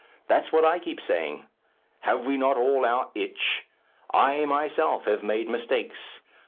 That's what I keep saying. Have we not all our itch? I myself have made mistakes.